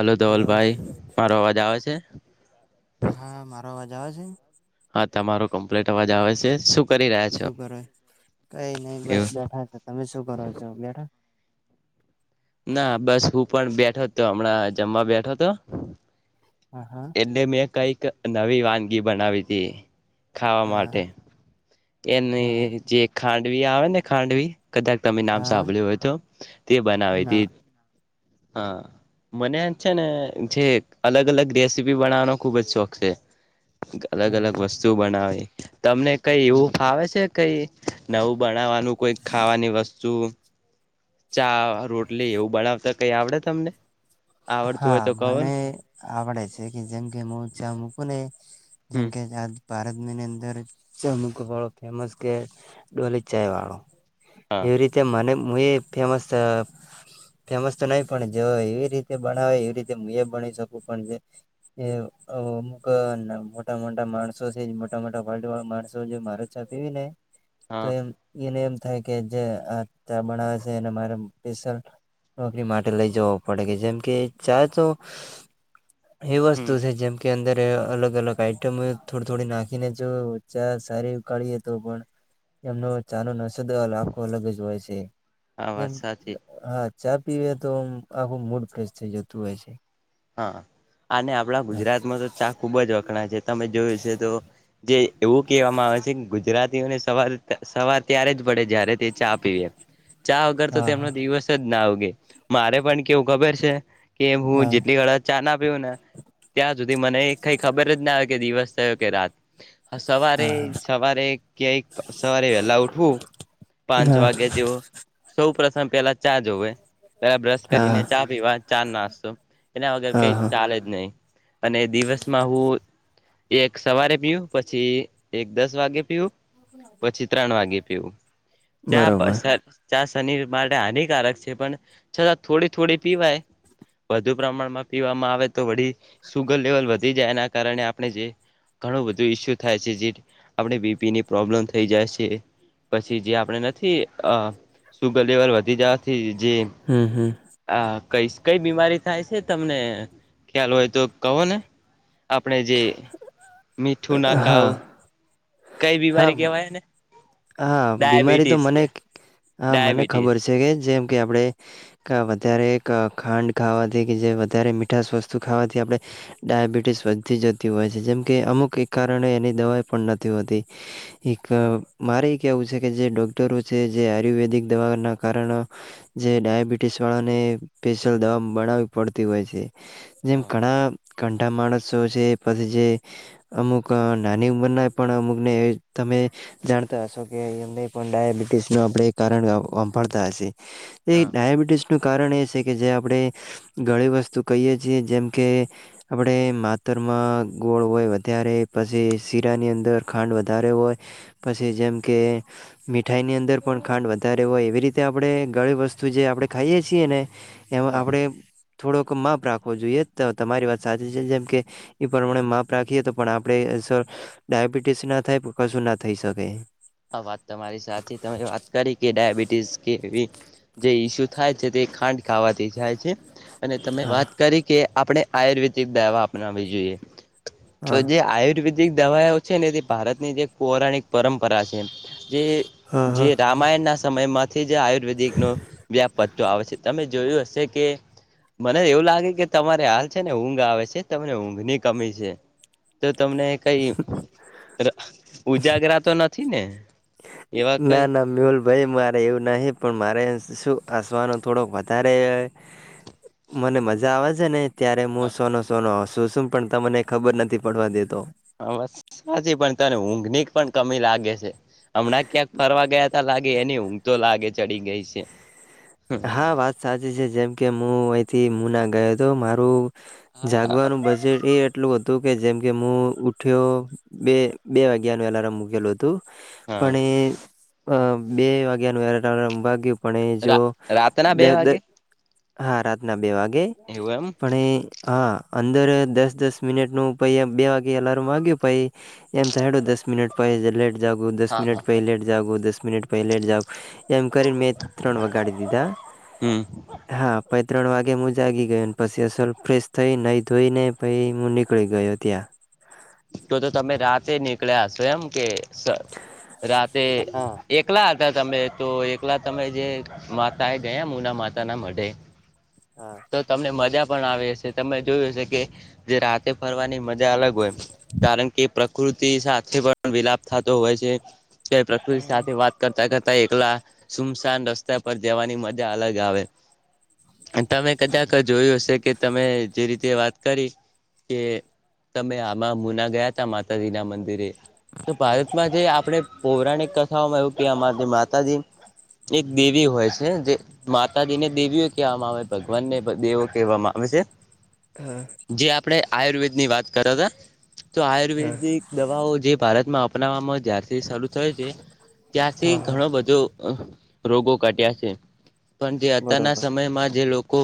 Hello hello ધવલભાઈ મારો અવાજ આવે છે. હા, મારો અવાજ આવે છે. તમારો કમ્પ્લેટ અવાજ આવે છે શ [unintelligible] શું કરો કઈ નઈ બસ એવું બેઠા છે, તમે શું કરો છો બેઠા. ના, બસ હું પણ બેઠો હતો હમણાં જમવા બેઠો હતો. હા હા એટલે મેં કઈક નવી વાનગી બનાવી તી ખાવા હા માટે. એની હા જે ખાંડવી આવે ને ખાંડવી કદાક તમે નામ હા સાંભળ્યું હોય તો તે બનાવે ના તી. હા મને છે ને જે અલગ અલગ રેસીપી બનાવવાનો ખુબ જ શોખ છે. અલગ અલગ બરોબર વસ્તુ બનાવે તમને કઈ હમ એવું ફાવે છે, કઈ નવું બનાવાનું કોઈ ખાવાની વસ્તુઓ ચા રોટલી એવું બનાવતા કઈ આવડે તમને? આવડતું હોય હા, તો કહો મને ને આવડે છે કે જેમ કે હુંચા મૂકું ને જેમ હમ કે [unintelligible] ભારત ની અંદર અમુક [unintelligible] વાળો ફેમસ કે હા એવી રીતે મને હું એ ફેમસ ફેમસ તો નહી પણ જો એવી રીતે બનાવે એવી રીતે હ એ ભની શકું પણ અમુક મોટા મોટા માણસો છે મોટા મોટા ફ્ટ વાળ માણસો જે માર છા પીવી ને તો હા એમ એનેમ થાય કે જે્યાં બનાવે છે એ મારે નોકરી માટે લઇ જવું પડે કે જેમ કે ચા તો એ વસ્તુ છે જેમ કે અંદર અલગ અલગ આઈટમ થોડી થોડી નાખી ને જો ચા સારી ઉકાળીએ તો પણ એમનો ચાનો નસદ આખો અલગ જ હોય છે આ જેમ વાત સાચી હા ચા પીવે તો આખું મૂડ ફ્રેશ થઈ જતું હોય છે. હા અને આપણા ગુજરાતમાં તો ચા ખુબ જ વખણા છે. તમે જોયું છે તો જે એવું કહેવામાં આવે છે ગુજરાતીઓને સવાર સવાર ત્યારે જ પડે જયારે તે ચા પીવે ચા વગર તો હા હા તેમનો દિવસ જ ના ઉગે. મારે પણ કેવું ખબર છે કે હું હા જેટલી વાર ચા ના પીવું ને ત્યાં સુધી મને કઈ ખબર જ ના આવે કે દિવસ થયો કે રાત. હા સવારે હા સવારે ક્યાય સવારે વેલા ઉઠવું પાંચ હા વાગે જેવો સૌ પ્રથ મ પેલા ચા જોવે પેલા બ્રશ કરીને હા ચા પીવા ચા નાસ્તો એના હા કઈ હા ચાલે જ નહી અને દિવસમાં હું એક સવારે પીવું પછી એક દસ વાગે પીવું પછી ત્રણ વાગે પીવું. ચા [unintelligible] બરોબર [unintelligible] માટે હાનિકારક છે પણ છતાં થોડી થોડી પીવાય વધુ પ્રમાણમાં પીવામાં આવે તો વી સુગર લેવલ વધી જાય એના કારણે આપણે જે ઘણું બધું ઈસ્યુ થાય છે. જે આપણે બીપીની પ્રોબ્લેમ થઈ જાય છે પછી જે આપડે નથી અ સુગર લેવલ વધી જવાથી હમ હમ. હ કઈ કઈ બીમારી થાય છે તમને, ખ્યાલ હોય તો કહો ને? આપણે જે મીઠું ના ખાવ હા કઈ હા બીમારી કેવાયને? હા બીમારી તો મને હા મને ડાયાબિટીસ ખબર છે કે જેમ કે આપણે વધારે ખાંડ ખાવાથી કે જે વધારે મીઠશ વસ્તુ ખાવાથી આપણે ડાયાબિટીસ વધતી જતી હોય છે જેમ કે અમુક એક કારણે એની દવાઈ પણ નથી હોતી. એક મારે એ કેવું છે કે જે ડોક્ટરો છે જે આયુર્વેદિક દવા ના કારણ જે ડાયાબિટીસ વાળાને સ્પેશિયલ દવા બનાવવી પડતી હોય છે. જેમ હા ઘણા કંઠા માણસો છે પછી જે અમુક નાની ઉંમર ના પણ અમુક ને અમે જાણતા હશો કેમને પણ ડાયાબિટીસ ન આપણે કારણ વાંભાળતા હશે. એ હા ડયાબિટીસ નું કારણ એ છે કે જે આપણે ઘણી વસ્તુ કહીએ છીએ જેમ કે આપણે માતા રમાં ગોળ હોય વધારે પછી શીરાની અંદર ખાંડ વધારે હોય પછી જેમ કે મીઠાઈ ની અંદર પણ ખાંડ વધારે હોય એવી રીતે આપણે ગળી વસ્તુ જે આપડણે ખાઈએ છીએ ને એમાં હા આપણેે થોડોક માપ રાખવો જોઈએ. તો તમારી વાત સાચી છે જેમ કે એ પ્રમાણે માપ રાખીએ તો પણ આપણે સર ડાયાબિટીસ ના થાય પણ કશું ના થઈ શકે. હ વાત તમારી સાચી તમે વાત કરી કે ડાયાબિટીસ કેવી જે ઈસ્યુ થાય છે તે ખાંડ ખાવાતી જાય છે અને તમે હા વાત કરી કે આપણે આયુર્વેદિક દવા અપનાવી જોઈએ. તો હા જે આયુર્વેદિક દવાઓ છે ને તે ભારતની જે પૌરાણિક પરંપરા છે. જે હા હા જે રામાયણના સમયમાંથી જ આયુર્વેદિક નો વ્યાપ તો આવશે તમે જોયું હશે કે મને એવું લાગે કે તમારે હાલ છે ને ઊંઘ આવે છે તમને ઊંઘની કમી છે. તો તમને કઈ ઉજાગરા તો નથી ને? એવા કઈ ના ના મેહુલ ભાઈ મારે એવું નહી પણ મારે શું આસવાનો થોડોક વધારે મને મજા આવે છે, ને ત્યારે મુ હ સોનો સોનો હસું શું પણ તમને ખબર નથી પડવા દેતો હા બસ સાચી પણ તને ઊંઘની પણ કમી લાગે છે. હમણાં ક્યાંક ફરવા ગયા તા લાગે એની ઊંઘ તો લાગે ચડી ગઈ છે. હા વાત સાચી છે, જેમ કે મુ અહીંથી મુના ગયો હતો મારું હા જાગવાનું બજેટ એ એટલું હતુ જેમકે મુ ઉઠ્યો બે બે વાગ્યા નુ એલાર્મ મૂકેલો હ તું પણ હા અ એ બે વાગ્યાનું એલારામ વાગય્યું પણ જો રાતના બે દ દ વાગે હા રાતના બે વાગે એવું એમ પણ એ હા અંદર દસ દસ મિનિટનું પહી એમ બે વાગ્યે એલાર્મ વાગયું પહી એમ થાયડો દસ મિનીટ [unintelligible] જાગું દસ હા મિનિટ હા પહી લેટ જાગું દસ મિનિટ પહી લેટ જાઉ એમ કરીને મેં ત્રણ વાગાડી દી ધા હમ હા પ ત્રણ વાગે હું જાગી ગયો પછી અસલ ફ્રેશ થઈ નહીં ધોઈ ને પહી હું નીકળી ગયો ત્યાં તો તો તમે રાતે નીકળ્યા હસો એમ કે સ રાતેે હા એકલા હતા તમે તો એકલા તમે જે માતા એ ગયા મુના માતા ના મઢે હા તો તમને મજા પણ આવે છે, તમે જોયું હશે કે જે રાતે ફરવાની મજા અલગ હોય કારણ કે પ્રકૃતિ સાથે પણ વિલાપ થતો હોય છે, કે પ્રકૃતિ હમ સાથે વાત કરતા કર તા એકલા સુમસાન રસ્તા પર જવાની મજા અલગ આવે તમે કદાક જોયું હશે કે તમે જે રીતે વાત કરી કે તમે મા મુના ગયા તા માતાજી ના મંદિરે તો ભારતમાં જે આપણે પૌરાણિક કથાઓમાં એવું કે અમા માતાજી એક દેવી હોય છે, જે માતાજીને દેવીઓ કહેવામાં આવે ભગવાનને દેવો કહેવામાં આ વે છે, હા હા જે આપણેે આયુર્વેદની વાત કરતા તો હા આયુર્વેદિક દવાઓ જે ભારતમાં અપનાવવામાં જ્યારથી સરુ થયુ છે, ત્યાંથી હા ઘણો બધો રોગો ઘટ્યા છે. પણ જે અત્યારના બરોબર. સમયમાં જે લોકો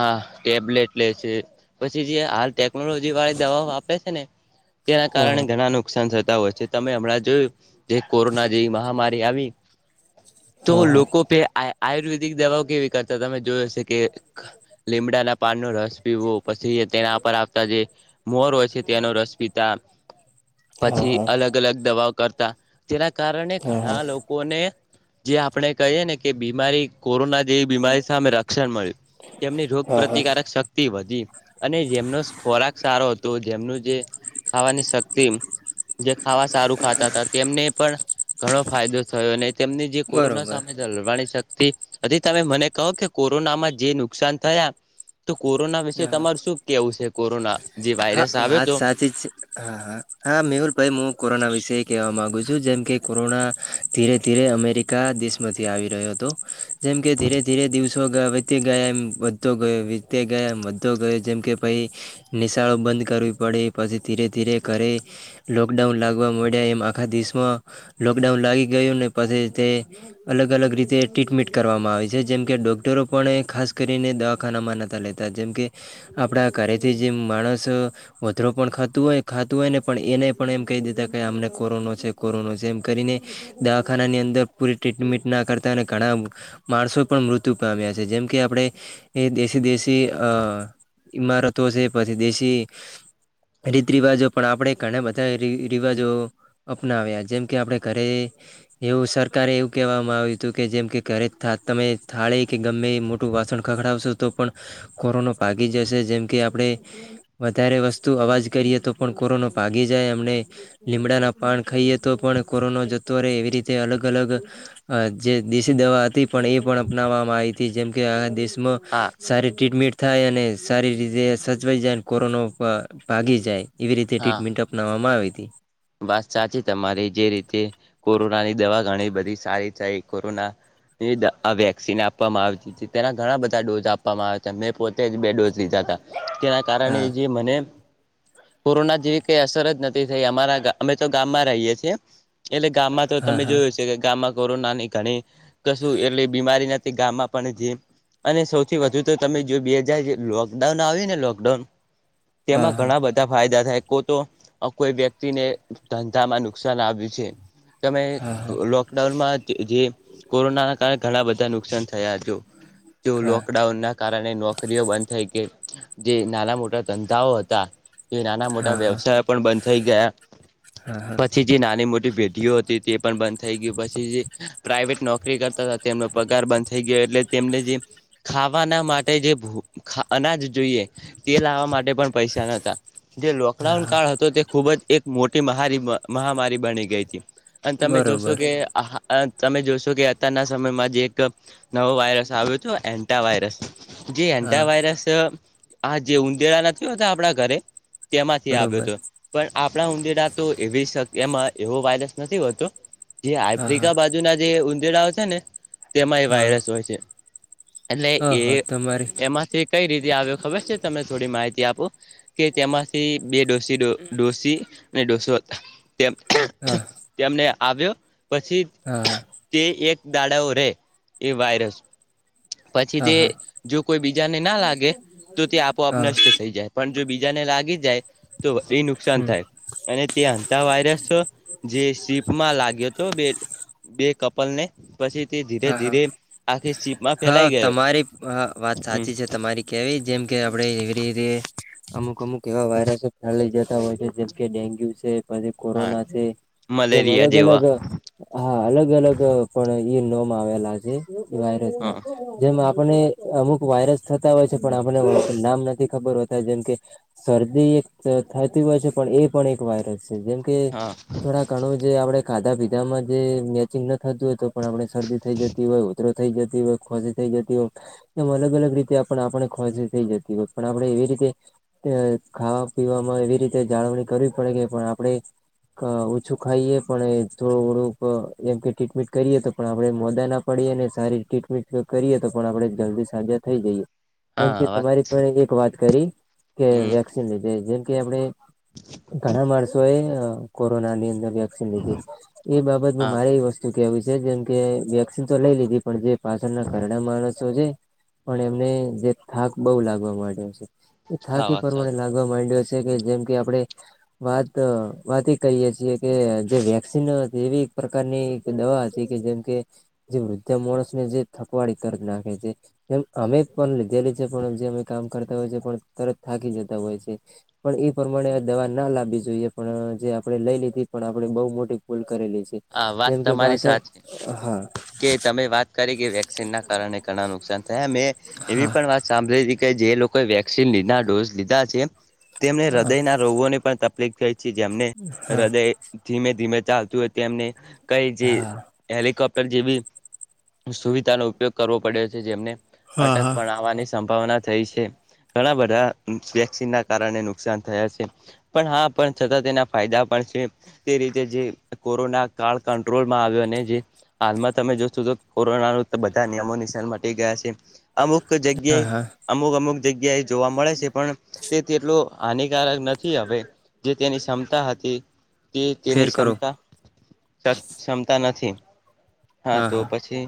આ ટેબલેટ લે છે. પછી જે હાલ ટેકનોલોજી વાળી દવાઓ આપે છે, ને તેના હા કારણે હા ઘણા નુકસાન થતા હોય છે, તમે હમણાં જોયું જે કોરોના જેવી મહામા રી આવી તો હા લોકો પે આ આય આયુર્વેદિક દવાઓ કેવી કરતા તમે જોયુ હશે કે લીમડાના પાન નો રસ પીવો પછી તેના પર આવતા જે મોર હોય કે તેનો રસ પીતા હા પછી હા અલગ અલગ દવાઓ કરતા તેના કારણે હા ઘણા લોકોને જે આપણે કહીએ ને કે બીમારી કોરોના જેવી બીમારી સામે રક્ષણ મળ્યું એમની રોગ હા હા પ્રતિકારક શક્તિ વધી અને જેમનો ખોરાક સારો હતો. જેમનું જે ખાવાની શક્તિ જે ખાવા સારું ખાતા હતા તેમને પણ ઘણો ફાયદો થયો અને તેમની જે કોરોના બરોબર હા. સામે લડવાની શક તી હજી તમે મને કહો કે કોરોનામાં જે નુકસાન થયા તો કોરોના વિશે હા. તમાર શું કેવું છે, કોરોના જે હા વાયરસ આવ્યો વાત તો સાચી જ છે, હા હા મેહુલ ભાઈ મુ કોરોના વિષે કહેવા માંગુ છું જેમ કે કોરોના ધીરે ધીરે અમેરિકા દેશ માંથી આવી રહ્યો હતો. જેમ કે ધીરે ધીરે દિવસો ગયા વીતે ગયા એમ વધતો ગયો વીતે ગયા એમ વધતો ગયો જેમ કે પહી નિશ શાળો બંધ કરવી પડે પછી ધીરે ધીરે ઘરે લોકડાઉન લાગવા મળ્યા એમ આખા દેશમાં લોકડાઉન લાગી ગયુંને પછી તે અલગ અલગ રીતે ટ્રીટમેટ કરવામાં આવી છે જેમ કે ડોક્ટરો પણ એ ખાસ કરીને દવાખાનામાં નતા લેતા જેમ કે આપણા ઘરેથી જેમ માણસ વધરો પણ ખાતું હોય ખાતું હોય ને પણ એને પણ એમ કહી દીતા કે અમને કોરોનો છે. કોરોનો છે એમ કરીને દવાખાનાની અંદર પૂરી ટ્રીટમેન્ટ ના કરતા અને ઘણા માણસો પણ મૃત્યુ પામ્યા છે જેમ કે આપડણે એ દેશી દેશી અ ઈમારતો છે. પછી દેશી રીત રિવાજો પણ આપણે ઘણા બધા રિવાજો અપનાવ્યા જેમ કે આપણે ઘરે એવું સરકારે એવું કેહેવામાં આવ્યું હતું કે જેમ કે ઘરે તમે થાળી કે ગમે મોટું વાસણ ખખડાવશો તો પણ કોરોનો ભાગી જશે જેમ કે આપણે વધારે વસ્તુ અવાજ કરીએ તો પણ કોરોનો ભાગી જાય એમને લીમડાના પાન ખાઈ તો પણ કોરોનો જતો રહે એવી રીતે અલગ અલગ જે દેશી દવા હતી પણ એ પણ અપનાવવામાં આવી હતી જેમકે આ દેશમાં હા સારી ટ્રીટમેન્ટ થાય અને સારી રીતે સ જાય કોરોનો ભાગી જાય એવી રીતે હા ટ્રીટમેન્ટ અપનાવામાં આવી હતી. વાત સાચી તમારી જે રીતે કોરોનાની દવા ઘણી બધી સારી થાય કોરોના આ વેક્સિન આપવામાં આવતી તેના ઘણા બધા ડોઝ આપવામાં આવ મેં પોતે જ બે ડોઝ લીધા હતા. તેના કારણે હા જે મને કોરોના જેવી કઈ અસર જ નથી થઈ અમારા અમે તો ગામમાં રહીએ છીએ. એટલે ગામમાં તો હા તમે હા જોયું છે કે ગામમાં કોરોનાની ઘણી કશું એટલે બીમારી ના તે ગામમાં પણ જે અને સૌથી વધુ તો તમે જો બે હજાર લોકડાઉન આવ્યું ને લોકડાઉન તેમાં હા ઘણા બધા ફાયદા થાય કો તો કોઈ વ્યક્તિને ધંધામાં નુકસાન આવ્યું છે. તમે હા હા લોકડાઉનમાં જે કોરોનાના કારણે ઘણા બધા નુકસાન થયા છે. જો હા લોકડાઉન ના કારણે નોકરીઓ બંધ થઈ ગઈ. જે નાના મોટા ધંધાઓ હતા. એ નાના મોટા હા હા વ્યવસાય પણ બંધ થઈ ગયા હા હા હા પછી જે નાની મોટી ભેડીઓ હતી તે પણ બંધ થઈ ગય પછી જે પ્રાઇવેટ નોકરી કરતા હતા તેમનો પગાર બંધ થઈ ગયો. એટલે તેમને જે ખાવાના માટે જે ભૂ અનાજ જોઈએ તે લાવવા માટે પૈસા ન જે લોકડાઉન હા કાળ હતો તે ખૂબ જ એક મોટી મહારિ મહામારી બની ગઈ હતી અને તમે જોશો બરોબર કે તમે જોશો કે અત્યારના સમયમાં જ એક નવો વાયરસ આવ્યો હતો એન્ટા વાયરસ જે હા એન્ટાવાયરસ આ જે ઊંદેડા નથી હોતા આપણા ઘરે તેમાંથી આવ્યો બરોબર હતો પણ આપણા ઊંદેરા તો એવી શક એમાં એવો વાયરસ નથી હોતો જે હા હા આફ્રિકા બાજુના જે ઉંધેરા છે ને તેમાં એ હા વાયરસ હોય છે એટલે હા એ હા તમારી એમાંથી કઈ રીતે આવ્યો. ખબર છે તમે થોડી માહિતી આપો કે તેમાંથી બે ડોસી ડોસી ડોસો હા તેમને આવ્યો પછી હા તે એક દાડાઓ રે એ વાયરસ પછી હા તે હા જો કોઈ બીજાને ના લાગે તો તે આપોઆપ હા નષ્ટ થઈ જાય પણ જો બીજાને લાગી જાય તો એ નુકસાન થાય. હા અને તે અતા વાયરસ જે સીપમાં લાગ્યો હતો બે બે કપલ ને હા હા સીપમાં હા ફેલાઈ ગયો તમારી હ વાત હમ સાચી છે તમારી કેવી જેમ કે આપડે ધરે અમુક અમુક એવા વાયરસો ફેઈ જતા હોય છે જેમ કે ડેન્ગ્યુ છે. પછી હા કોરોના છે જેમ મલેરિયા અલગ જેવા અલગ હા અલગ અલગ પણ એ નમ આવેલા છે એ વાયરસ ના હા જેમ આપને અમુક વાયરસ થતા હોય છે પણ આપને નામ નથી ખબર હોતા જેમ કે શરદી થતી હોય છે પણ એ પણ એક વાયરસ છે જેમ કે હા થોડા ઘણું જે આપડે ખાધા પીધામાં જે મેચિંગ ન થતું હોય તો પણ આપણે શરદી થઈ જતી હોય ઉધરો થઈ જતી હોય ખોશ થઈ જતી હોય એમ અલગ અલગ રીતે આપણે ખોશી થઈ જતી હોય પણ આપે એવી રીતે ખાવા પીવાવામાં એવી રીતે જાળવણી કરવી પડે કે પણ આપણે. ક ઓછું ખાઈએ પણ થોડું થોડુંક એમ કે ટ્રીટમેન્ટ કરીએ તો પણ આપ ણે મોદા ના પડીએ ને સારી ટ્રીટમીટ કરીએ તો પણ આપણે જલ્દી સાજા થઈ જઈએ. જેમ કે હા વાત તમારી પણ એક વાત કરી કે હમ વેક્સિન લીધે જેમ કે આપણે ઘણા મળસોય કોરોનાની અંદર લીધી એ બાબત હા મારે એ વસ્તુ કેવી છે જેમ કે વેક્સિન તો લઈ લીધી પણ જે પાછળના ઘરણા માણસો છે પણ એમને જે થાક બઉુ લાગવા માંડ્યો છે એ હા થાકી વાત સાચ પરમાણે લાગવા માંડયો કે જેમ કે આપણે વાત વાત કહીય છીએ કે જે વેક્સન એવી પ્રકારની દવા હતી કે જેમ કે જે વૃદ્ધા માણસ ને જે થકવાડી તર્જ નાખે છે એ અમે પણ લીધેલી છે પણ જે કામ કરતા હોય છે પણ તરત થાકી જતા હોય છે પણ એ પ્રમાણે દવા ના લાવવી જોઈએ. પણ જે આપણે લઈ લીધી પણ આપણે બહુ મોટી ભૂલ કરેલી છે હા જેમ વાત કે તમારી પાછળ સાચી હા. કે તમે વાત કરી કે વેક્સિન ના કારણે ઘણા નુકસાન થયા મેં એવી પણ વાત સાંભળી હતી કે જે લોક કો વેક્સિલીના લીધ ડોઝ લીધા છે. તેમને હૃદયના રોગોની પણ તકલીફ થઈ છે જેમને હા હૃદય ધીમે ધીમે ચાલતું હોય તો એમને કઈ જે હેલિકોપ્ટ ટર જેવી સુવિધાનો ઉપયોગ કરવો પડે છે જેમને હા અટેક હા પણ આવવાની સંભાવના થઈ છે. ઘણા બધા વેક્સિન ના કારણે નુકસાન થયા છે પણ હા પણ છતાં તેના ફાયદા પણ છે તે રીતે જે કોરોના કાળ કાટ્રોલમાં આવ્યો અને જે હાલમાં તમે જોશો તો કોરોના નુ તો બધા નિયમો નિશાન મટી ગયા છે. અમુક હા જગ્યાએ હા અમુક અમુક જગ્યા એ જોવા મળે છે પણ તે તેટલો હાનિકારક નથી હવે. જે તેની ક્ષમતા હતી. કે ફેર તેની કરો ક્ષમતા ક્ષ ક્ષમતા નથી. હા તો પછી.